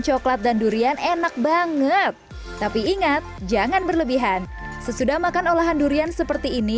coklat dan durian enak banget tapi ingat jangan berlebihan sesudah makan olahan durian seperti ini